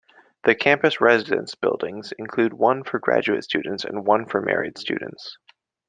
The campus residence buildings include one for graduate students and one for married students.